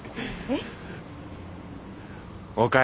えっ？